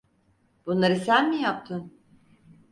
Bunları sen mi yaptın?